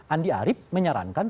andi arief menyarankan